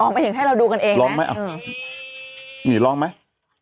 อ๋อไม่เห็นให้เราดูกันเองนะลองไหมอ่ะอืมนี่ลองไหม